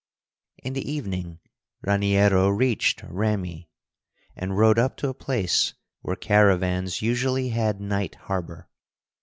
In the evening Raniero reached Ramle, and rode up to a place where caravans usually had night harbor.